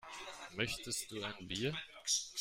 Möchtest du ein Bier?